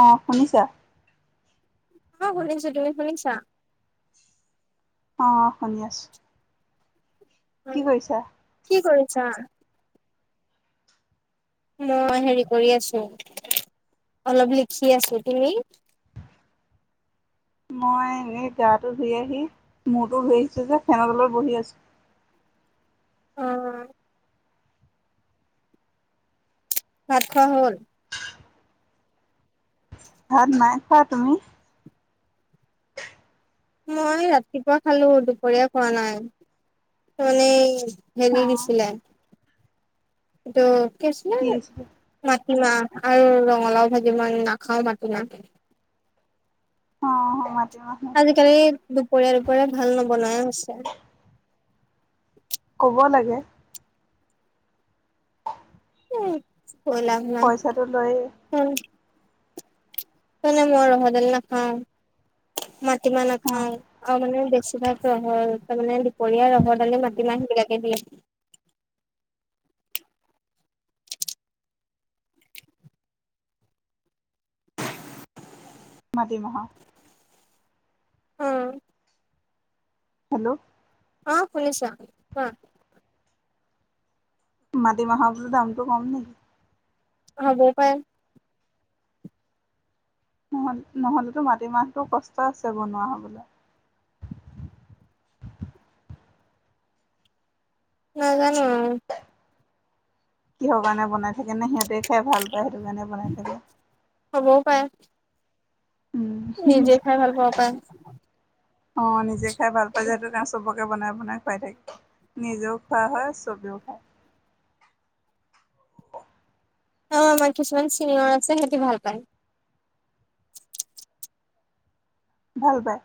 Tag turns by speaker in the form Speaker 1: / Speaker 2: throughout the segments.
Speaker 1: অ শুনিছে?
Speaker 2: অঁ শুনিছো, তুমি শুনিছা?
Speaker 1: অঁ শুনি আছোঁ। কি কৰিছা?
Speaker 2: কি কৰিছা? মই হেৰি কৰি আছো, অলপ লিখি আছো। তুমি?
Speaker 1: মই এনেই গাটো ধুই আহি, মূৰতো ধুই আহিছো যে, ফেনৰ তলত বহি আছো।
Speaker 2: অ ভাত খোৱা হ'ল?
Speaker 1: ভাত নাই খোৱা, তুমি?
Speaker 2: মই ৰাতিপুৱা খালো, দুপৰীয়া খোৱা নাই। মানে
Speaker 1: অ
Speaker 2: ভেনি দিছিলে, ত' কি আছিলে মাটিমাহ আৰু ৰঙালাও ভাজি, মই নাখাও মাটিমাহ।
Speaker 1: অ মাতিমাহ
Speaker 2: আজিকালি দুপৰীয়া দুপৰীয়া ভাত নবনাই হৈছে,
Speaker 1: ক'ব লাগে।
Speaker 2: এই কৈ লাভ
Speaker 1: পইচাটো লৈ
Speaker 2: উম মানে মই ৰহডালি নাখাওঁ, মাটিমাহ
Speaker 1: অ
Speaker 2: নাখাওঁ, অ মানে বেছিভাগ কোৱা হ'ল, তাৰ মানে দুপৰীয়া ৰহডালি, মাটিমাহ এই বিলাকে দিয়ে।
Speaker 1: মাতিমাহ
Speaker 2: অ
Speaker 1: হেল্লো'
Speaker 2: অ শুনিছা? কোৱা
Speaker 1: মাটিমাহৰ বোলো দামটো কম নে?
Speaker 2: হব পায়
Speaker 1: নহ' নহ'লেতো মাটিমাহটো কষ্ট আছে বনোৱা হ'বলা
Speaker 2: নাজানো
Speaker 1: কিহৰ কাৰণে বনাই থাকে নে সিহঁতে খাই ভাল পায় সেইটো কাৰণে বনাই থাকে
Speaker 2: হ'বও পাৰে
Speaker 1: উম
Speaker 2: নিজে খাই ভাল পাব পাৰে
Speaker 1: অ নিজে খাই ভাল পাই যে সেইটো কাৰণ চবকে বনাই বনাই খুৱাই থাকে নিজেও খোৱা হয় চবেও খায়
Speaker 2: অ আমাৰ কিছুমান চিনিয়ৰ আছে সেটি ভাল পায়
Speaker 1: ভাল পায়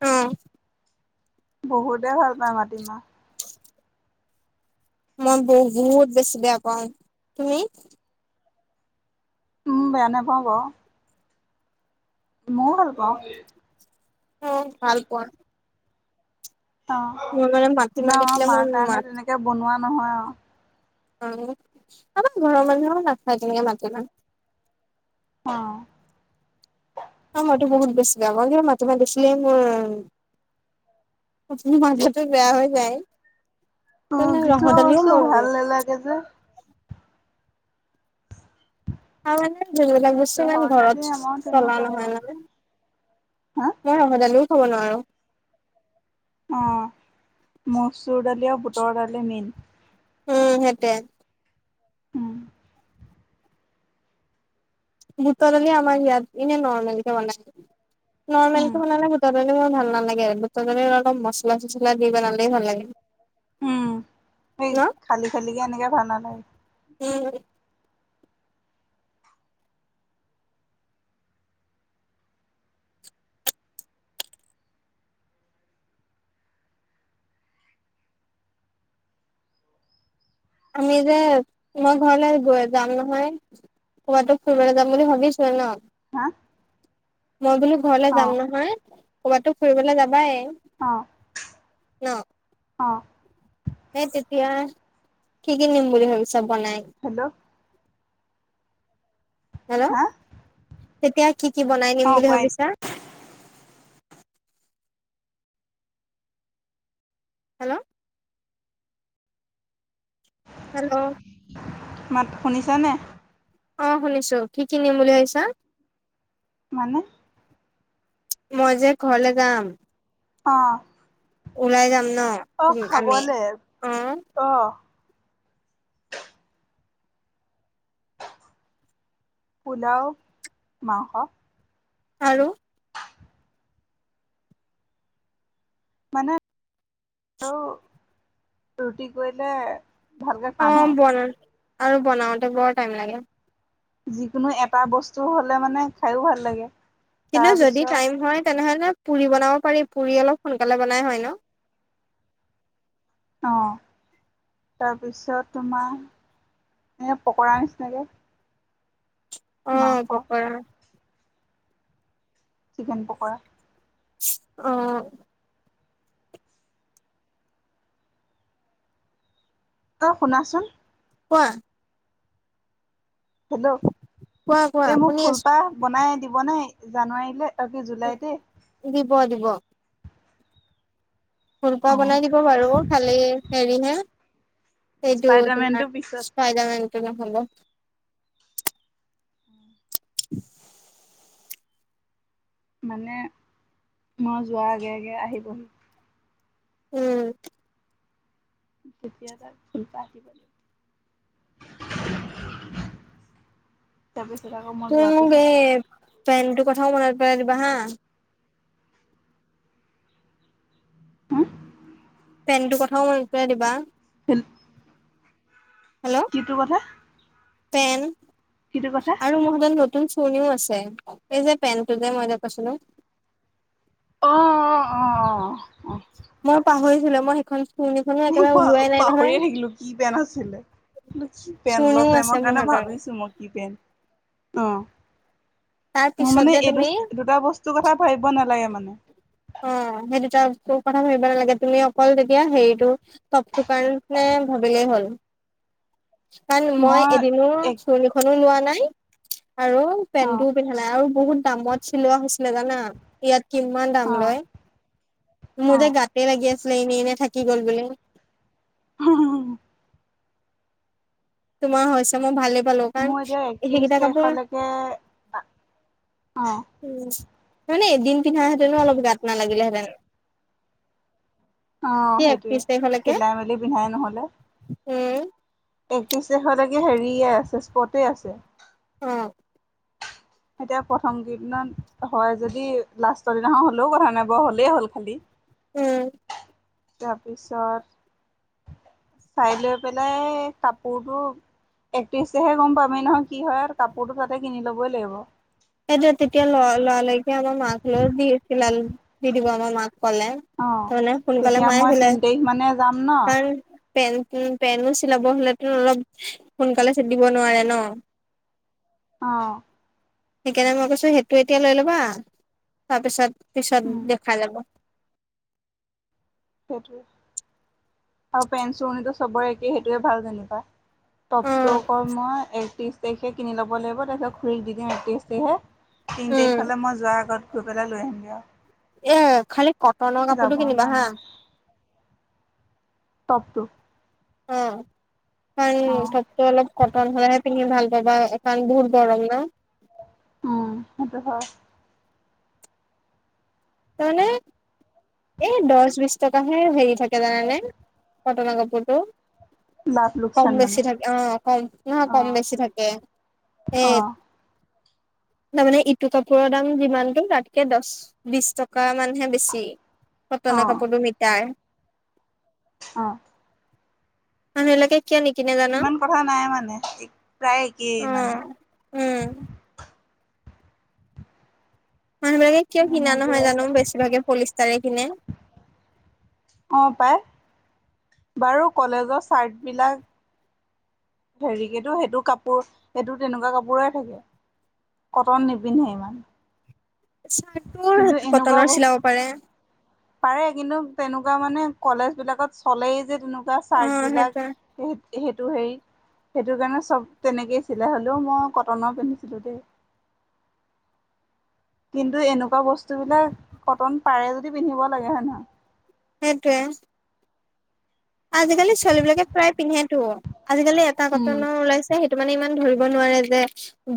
Speaker 2: অ
Speaker 1: বহুতেই ভাল পায় মাটিমাহ
Speaker 2: মই বহুত বেছি বেয়া পাওঁ, তুমি?
Speaker 1: উম বেয়া নাপাওঁ বাঅ ময়ো ভাল পাওঁ
Speaker 2: অ ভাল পোৱা
Speaker 1: অ
Speaker 2: মই মানে মাটিমাহ
Speaker 1: কিন্তু আমাৰ
Speaker 2: দেখিলে
Speaker 1: মা
Speaker 2: মোৰ
Speaker 1: কাৰণে
Speaker 2: মাত
Speaker 1: তেনেকে বনোৱা নহয় আৱ
Speaker 2: অ আমাৰ ঘৰৰ মানুহো নাখায় তেনেকে মাটিমাহ
Speaker 1: অ
Speaker 2: অ মইতো বহুত বেছি বেয়া পাওঁ কিন্তু মাটিমাহ দেখিলেই মোৰ মো মাঠাতো বেয়া হৈ যায়
Speaker 1: অ
Speaker 2: ৰহৰ
Speaker 1: কিছুমান
Speaker 2: দালিও
Speaker 1: বস্তু
Speaker 2: মোৰ
Speaker 1: ভাল নালাগে যে
Speaker 2: তাৰ মানে যোনবিলাক বেছি মান
Speaker 1: ৰহৰ দালি
Speaker 2: ঘৰত
Speaker 1: আমাৰ
Speaker 2: চলা
Speaker 1: তেনেকুৱা আৰু
Speaker 2: হয় মানে
Speaker 1: হা
Speaker 2: মই ৰশদাইলো খাব নোৱাৰো
Speaker 1: অ মচুৰ দালি আৰু বুটৰ দালি মেইন
Speaker 2: উম সেইটোৱে
Speaker 1: উম
Speaker 2: বুটৰ দালি আমাৰ ইয়াত এনে নৰ্মেল কে বনাই নৰ্মেল
Speaker 1: উম
Speaker 2: কে বনালে বুট ৰ দালি মোৰ ভাল নালাগে বুটৰ দালিত অলপ মছলা- চছলা দি বনালেই ভাল লাগে
Speaker 1: উম এই
Speaker 2: ন
Speaker 1: খালি খালিকে এনেকে ভাল নালাগে
Speaker 2: উম আমি যে মই ঘৰলে গৈ যাম নহয় সৌৱাতো ফুৰিবলে যাম বুলি ভাবিছোৱে ন
Speaker 1: হা
Speaker 2: মই বোলো ঘৰলে
Speaker 1: অ
Speaker 2: যাম নহয় কবাততো ফুৰিবলে যাবাই
Speaker 1: অঁ
Speaker 2: ন
Speaker 1: অ
Speaker 2: সেই তেতিয়া কি কি নিম বুলি ভাবিছা বনাই
Speaker 1: হেল্ল'
Speaker 2: হেল্ল',
Speaker 1: হা
Speaker 2: তেতিয়া কি কি বনাই দিম
Speaker 1: অ
Speaker 2: বুলি
Speaker 1: কোৱা
Speaker 2: ভাবিছা? হেল্ল' হেল্ল'
Speaker 1: মাত শুনিছা নে
Speaker 2: অ শুনিছো, কি কি নিম বুলি ভাবিছা?
Speaker 1: মানে
Speaker 2: মই যে ঘৰলে যাম।
Speaker 1: অঁ
Speaker 2: ওলাই যাম ন।
Speaker 1: অ
Speaker 2: আমি
Speaker 1: খাবলে
Speaker 2: অ
Speaker 1: অ। পোলাও মাংস।
Speaker 2: আৰু।
Speaker 1: মানে আৰু ৰুটি কৰিলে ভালকে খোৱা
Speaker 2: অঁ
Speaker 1: নহয়।
Speaker 2: বনা আৰু বনাওঁতে বৰ টাইম লাগে।
Speaker 1: যিকোনো এটা বস্তু হলে মানে খাইও ভাল লাগে।
Speaker 2: কিন্তু যদি
Speaker 1: তাৰপিছত
Speaker 2: টাইম হয় তেনেহ'লে পুৰি বনাব পাৰি পুৰি অলপ সোনকালে বনাই হয় ন।
Speaker 1: অঁ, তাৰপিছত তোমাৰ এনে পকৰা নিচিনাকে।
Speaker 2: অঁ
Speaker 1: মাংস
Speaker 2: পকৰা।
Speaker 1: চিকেন পকৰা।
Speaker 2: অঁ।
Speaker 1: ও শুনাচোন।
Speaker 2: কোৱা
Speaker 1: হেল্ল,
Speaker 2: কোৱা কোৱা
Speaker 1: এই মোৰ
Speaker 2: শুনি আছো
Speaker 1: ফুলপাহ বনাই দিব নে জানুৱাৰীলে এহ জুলাইতে
Speaker 2: দিব দিব। ফুলপোৱা
Speaker 1: অ'
Speaker 2: বনাই দিব বাৰু, খালি হেৰিহে এইটো
Speaker 1: স্পাইডাৰমেনটো পিছত
Speaker 2: তোমাৰ যেনে তেনে হলো। [inaudible]
Speaker 1: মানে মই যোৱাৰ আগে আগে আহিবহি।
Speaker 2: উম।
Speaker 1: তেতিয়া তাৰ ফুল পাহ আহিব।
Speaker 2: [inaudible]
Speaker 1: তাৰ পিছত আকৌ মই যোৱাৰ পিছত
Speaker 2: প্লেনটো কথাও মনত পেলাই দিবা হা।
Speaker 1: হুম
Speaker 2: প্লেনটো কথাও মনত পেলাই দিবা।
Speaker 1: হি
Speaker 2: হেল্ল'
Speaker 1: কি তোৰ কথা?
Speaker 2: পেন
Speaker 1: কিটো কথা?
Speaker 2: আৰু মোৰ হাতত নত তুন চোৰ্নিও আছে, এই যে পেনটো যে মই যে কৈছিলোঁ
Speaker 1: অঁ অঁ অঁ অঁ
Speaker 2: মই পাহৰিছিলোৱে মই সেইখন চুৰণিখনো একেবাৰে ওলোৱাই নাই নহয়
Speaker 1: পাহৰিয়ে থাকিলো কি পেন আছিলে। কি পেন্ট
Speaker 2: চুৰণিও
Speaker 1: ল
Speaker 2: আছে
Speaker 1: মই
Speaker 2: মোৰ
Speaker 1: কাৰণে
Speaker 2: হাতত
Speaker 1: ভাবিছো মই কি পেন্ট অঁ
Speaker 2: তাৰ
Speaker 1: মোৰ
Speaker 2: পিছত
Speaker 1: মানে
Speaker 2: যে
Speaker 1: এই দু
Speaker 2: তুমি
Speaker 1: দুটা বস্তুৰ কথা ভাবিব নালাগে মানে।
Speaker 2: অঁ সেই দুটা কথা ভাবিব নালাগে তুমি অকল তেতিয়া হেৰিটো তপটো কাৰনে ভাবিলেই হ'ল। কাৰণ মই এদিনো
Speaker 1: এক
Speaker 2: চুৰনিখনো লোৱা নাই আৰু
Speaker 1: অ',
Speaker 2: পেণ্টোও পিন্ধা নাই, আৰু বহুত দামত চিলোৱা হৈছিলে জানা ইয়াত কিমান দাম।
Speaker 1: অ',
Speaker 2: লয়, মোৰ যে
Speaker 1: অ'।
Speaker 2: গাতে লাগি আছিলে এনেই এনেই থাকি গল বুলি।
Speaker 1: [unintelligible]
Speaker 2: তোমাৰ হৈছে মই ভালেই পালো কাৰণ
Speaker 1: মোৰ এতিয়া একত্ৰিশ
Speaker 2: সেইকেইটা কাপোৰ
Speaker 1: তাৰিখলেকে অঁ!
Speaker 2: উম, মানে এদিন পিন্ধাহেঁতেনো অলপ গাত নালাগিলেহেতেন।
Speaker 1: অ
Speaker 2: কি
Speaker 1: সেইটোৱে,
Speaker 2: একত্ৰিশ তাৰিখলৈকে
Speaker 1: চিলাই-মেলি পিন্ধাই নহলে।
Speaker 2: উম!
Speaker 1: একত্ৰিশ তাৰিখলৈকে হেৰিয়ে আছে স্পটে আছে।
Speaker 2: অঁ
Speaker 1: এতিয়া প্ৰথম কেইদিনত হয়, যদি লাষ্টৰ দিনাখন হ'লেও কথা নাই বাৰু হ'লেই হ'ল খালী।
Speaker 2: উম!
Speaker 1: তাৰপিছত চাই লৈ পেলাই কাপোৰবোৰ একত্ৰিছ তাৰিখে গম পামেই নহয় কি হয়, কাপোৰতো তাতে কিনি ল'বই লাগিব।
Speaker 2: সেইটোৱে, তেতিয়া ল লৰা-লৰিকৈ আমাৰ মাক লৈ দি চিলা দি দিব আমাৰ মাক ক'লে।
Speaker 1: অ'।
Speaker 2: তাৰ মানে সোনকালে
Speaker 1: তেতিয়া
Speaker 2: মায়ে
Speaker 1: মই তিন তাৰিখ মানে যাম ন
Speaker 2: চিলাই। পেন পেনো চিলাব হলেতো অলপ সোনকালে চিট দিব নোৱাৰে ন।
Speaker 1: অ
Speaker 2: সেইকাৰণে মই কৈছোঁ সেইটো এতিয়া লৈ ল'বা, তাৰপিছত পিছত
Speaker 1: উম,
Speaker 2: দেখাই যাব।
Speaker 1: সেইটোৱে, আৰু পেন-চুৰণিতো চবৰে একেই সেইটোয়ে ভাল যেনিবা।
Speaker 2: অ
Speaker 1: টপটো অকল মই একত্ৰিছ তাৰিখে কিনি ল'ব লাগিব, তাৰপিছত খুৰীক দি দিম একত্ৰিশ তাৰিখে। তিন
Speaker 2: উম
Speaker 1: তাৰিখলে মই যোৱাৰ আগত গৈ পেলাই লৈ আহিমগে আও।
Speaker 2: এ খালি কটনৰ কাপোৰটো কিনিবা
Speaker 1: মন
Speaker 2: হা।
Speaker 1: টপটো
Speaker 2: অ কাৰণ
Speaker 1: অ'।
Speaker 2: টপতো অলপ কটন হলেহে পিন্ধি ভাল পাবা, কাৰণ বহুত গৰম ন।
Speaker 1: উম, সেইটো হয়।
Speaker 2: তাৰমানে এই দহ বিশ টকাহে হেৰি থাকে জানানে? কটনৰ কাপোৰটো
Speaker 1: লাভ
Speaker 2: কম
Speaker 1: লোকচান
Speaker 2: বেছি
Speaker 1: মানে
Speaker 2: থাকে অ', কম নহয়
Speaker 1: অ
Speaker 2: কম বেছি থাকে। এ
Speaker 1: অ
Speaker 2: তাৰমানে ইটো কাপোৰৰ দাম যিমানটো তাতকে দহ, বিশ টকা কা মানহে বেছি
Speaker 1: অ
Speaker 2: কটনৰ কাপোৰটো মিটাৰ।
Speaker 1: অঁ!
Speaker 2: মানুহবিলাকেই কিয় নিকিনে জা
Speaker 1: ইমান কথা নাই মানে, প্ৰায় একেই
Speaker 2: অ
Speaker 1: মানে।
Speaker 2: উম! মানুহ বিলাকে কিয় কিনা
Speaker 1: মোৰ যে
Speaker 2: নহয় জানো বেছিভাগে পলিষ্টাৰে কিনে।
Speaker 1: অঁ পাই, বাৰু কলেজৰ চাৰ্টবিলাক হেৰিকেতো সেইটো কাপোৰ সেইটো তেনেকুৱা কাপোৰে থাকে। কটন নিপিন্ধে ইমান।
Speaker 2: চাৰ্টটোৰ
Speaker 1: কিন্তু এনেকুৱা
Speaker 2: কটনৰ
Speaker 1: বস্তু
Speaker 2: চিলাব পাৰে।
Speaker 1: পাৰে, কিন্তু তেনেকুৱা মানে কলেজ বিলাকত চলেই যে তেনেকুৱা
Speaker 2: অ
Speaker 1: চাৰ্ট বিলাক।
Speaker 2: সেইটোৱে
Speaker 1: সেইটো হেৰি সেইটো কাৰণে চব তেনেকেই চিলাই, হ'লেও মই কটনৰ পিন্ধিছিলোঁ দেই। কিন্তু এনেকুৱা বস্তুবিলাক কটন পাৰে যদি, পিন্ধিব লাগে হয় নহয়?
Speaker 2: সেইটোৱে। আজিকালি ছোৱালী বিলাকে প্ৰায় পিন্ধেতো আজিকালি এটা
Speaker 1: উম,
Speaker 2: কটনৰ ওলাই সেইটো মানে ইমান ধৰিব নোৱাৰে যে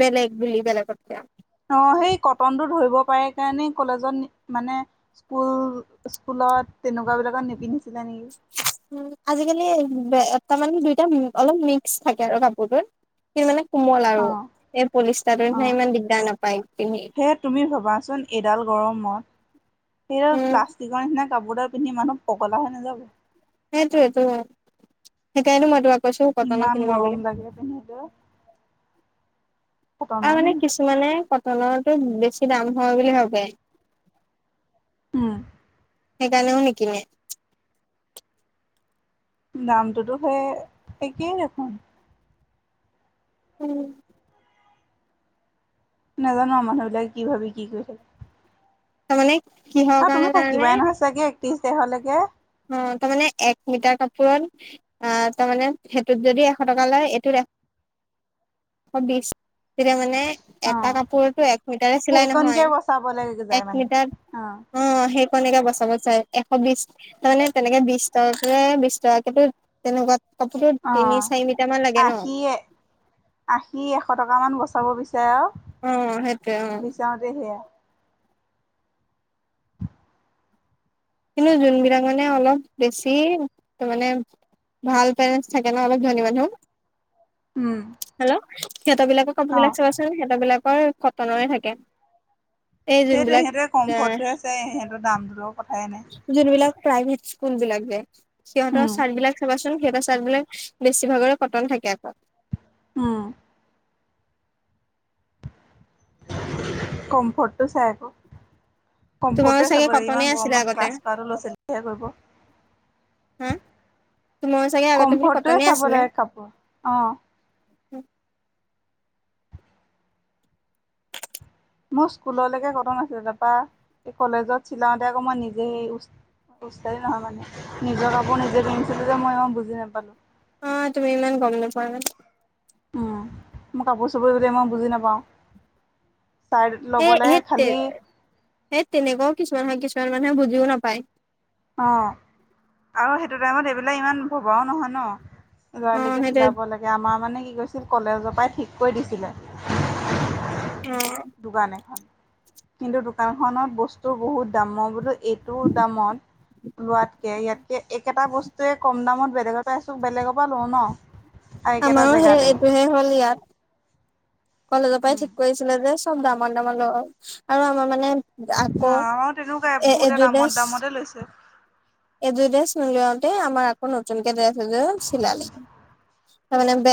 Speaker 2: বেলেগ বুলি বেলেগতকে।
Speaker 1: অঁ সেই কটনটো ধৰিব পাৰে কাৰণে কলেজত মানে স্কুল স্কুলত তেনেকুৱা বিলাকত নিপিন্ধিছিলে নেকি।
Speaker 2: আজিকালি এ তা মানে দুইটা অলপ মিক্স থাকে আৰু কাপোৰটোত। মানে কোমল আৰু
Speaker 1: অ'
Speaker 2: এই পলিষ্টাৰ
Speaker 1: অ'
Speaker 2: ইমান দিগদাৰ নাপায় পিন্ধি।
Speaker 1: সেয়ে তুমি ভবাচোন এইডাল গৰমত সেই
Speaker 2: উম,
Speaker 1: প্লাষ্টিকৰ নিচিনা কাপোদা পিন্ধি মানুহ পগলা হৈ নাযাব।
Speaker 2: সেইটোৱেইতো সেইকাৰণে মই তোমাক কৈছোঁ কটনৰ
Speaker 1: ইমান
Speaker 2: কিনিবা বুলি।
Speaker 1: [unintelligible]
Speaker 2: তা
Speaker 1: কটনৰে
Speaker 2: মানে
Speaker 1: পিন্ধো।
Speaker 2: কিছুমানে কটনৰতো বেছি দাম হয় বুলি ভাবে।
Speaker 1: উম,
Speaker 2: সেইকাণেও নিকিনে।
Speaker 1: নামটোতো সে একেই নেখোন।
Speaker 2: উম,
Speaker 1: নাজানো আও মানুহ বিলাকে কি ভাবি কি কৰিছে।
Speaker 2: তাৰ মানে কি হয়?
Speaker 1: অঁ তুমি থাকিবাই নহয় চাগে একত্ৰিশ তাৰিখলেকে।
Speaker 2: অঁ তামানে এক মিটাৰ কাপোৰত অঁ তাৰমানে সেইটোত যদি এশ টকা লয় এইটোত- এশ বিশ তেতিয়া মানে এটা
Speaker 1: অ'।
Speaker 2: কাপোৰতো এক মিটাৰে চিলাই
Speaker 1: সেইকণকে বচাবলৈ
Speaker 2: নহয়
Speaker 1: যায়
Speaker 2: এক
Speaker 1: মানে
Speaker 2: মিটাৰ
Speaker 1: অ',
Speaker 2: অঁ সেইকণেকে বচাব চাই এশ বিশ তাৰ মানে তেনেকে বিশ টকাকে বিশ টকাকে ত তেনকুৱা কাপোটোত তিনি
Speaker 1: অ'।
Speaker 2: চাৰি মিটাৰ মান লাগে ন।
Speaker 1: আশী আশী এশ টকামান বচাব বিচাৰে আৰু।
Speaker 2: উম, সেইটোৱে উম।
Speaker 1: যাওঁ দে সিয়ে
Speaker 2: কিনো যোনবিলাক মানে অলপ বেছি তাৰ মানে ভাল পেৰেণ্টছ থাকে ন অলপ ধনী মানুহ।
Speaker 1: উম,
Speaker 2: হেল্ল সিহঁতৰ বিলাকৰ কাপোৰ বিলাক
Speaker 1: অ',
Speaker 2: চাবাচোন সিহঁতৰ বিলাকৰ কটনৰে থাকে। এই যোনবিলাক তেহ-
Speaker 1: তে হেঁতৰ দামটো লৈ কথাই নাই।
Speaker 2: যোনবিলাক প্ৰাইভেট স্কুল বিলাক যে সিহঁতৰ
Speaker 1: উম,
Speaker 2: চাৰ্ট বিলাক চাবাচোন সিহঁতৰ চাৰ্টবিলাক বেছি ভাগৰে কটন থাকে।
Speaker 1: উম, কমফৰ্টটো চায় আকৌ।
Speaker 2: তোমাৰো
Speaker 1: কমফৰ্টোৱে চাব
Speaker 2: চাগে
Speaker 1: লাগে
Speaker 2: কটনে
Speaker 1: ইমান
Speaker 2: আছিলে
Speaker 1: গৰমত
Speaker 2: আগতে
Speaker 1: ক্লাছ কৱাটো লৈছে তেতিয়াহে কৰিব।
Speaker 2: হা তোমাৰো চাগে আগতে বোলো
Speaker 1: কমফৰ্টোৱে
Speaker 2: কটনে
Speaker 1: চাব
Speaker 2: আছিলে
Speaker 1: লাগে কাপোৰ অঁ,
Speaker 2: অ
Speaker 1: মোৰ স্কুললৈকে কটন আছিলে তাপা এ কলেজত চিলাওতে আকৌ মই নিজে স উচ উস্তাদি নহয় মানে নিজৰ কাপোৰ নিজে কিনিছিলো যে মই ইমান বুজি নাপালো।
Speaker 2: অঁ তুমি ইমান গম নোপোৱা যে,
Speaker 1: উম মই কাপোৰ চাপোৰ যোযে মই বুজি নাপাওঁ। ছাইড
Speaker 2: এই
Speaker 1: লবলে
Speaker 2: সেই
Speaker 1: খালি
Speaker 2: সেই তেনেকুৱাও কিছুমান হয় কিছুমান মানুহে বুজিও নাপায়।
Speaker 1: অঁ আৰু সেইটো টাইমত এইবিলাক ইমান ভবাও নহয় ন।
Speaker 2: অ
Speaker 1: লৰালৰিকে
Speaker 2: সেইটোৱে
Speaker 1: চিলাব লাগে। [inaudible] [unintelligible] আমাৰ মানে কি কৈছিল কলেজৰ পৰাই ঠিক কৰি দিছিলে।
Speaker 2: অঁ [inaudible]
Speaker 1: [unintelligible] কিন্তু দোকানখনত বস্তু বহুত দাম মই বোলো এইটো দামত লোৱাতকে ইয়াতকে একেটা বস্তুৱে কম দামত বেলেগত পাইছোঁ বেলেগৰ পৰা লওঁ ন। [unintelligible] আৰু একেটা জেগাতে। [inaudible]
Speaker 2: শেষ হ'ল ইয়াত [unintelligible] কলেজৰ পৰা ঠিক কৰিছিলে যে চব দামৰ-দামৰ লব আৰু আমাৰ মানে [unintelligible]
Speaker 1: অঁ
Speaker 2: আকৌ
Speaker 1: আমাৰো তেনেকুৱাই
Speaker 2: এ
Speaker 1: বহুতে দামত-দামতে লৈছে। [inaudible]
Speaker 2: এইযোৰ ড্ৰেছ নলোৱাওতে আমাৰ আকৌ নতুনকে ড্ৰেছ এযোৰ চিলালে।
Speaker 1: সেয়া।
Speaker 2: তাৰমানে [unintelligible]